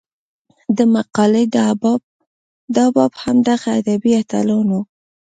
د مقالې دا باب هم دغه ادبي اتلانو